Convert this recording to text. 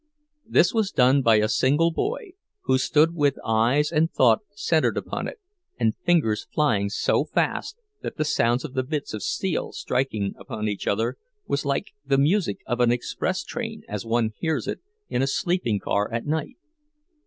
This was done by a single boy, who stood with eyes and thought centered upon it, and fingers flying so fast that the sounds of the bits of steel striking upon each other was like the music of an express train as one hears it in a sleeping car at night.